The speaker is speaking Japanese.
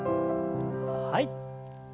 はい。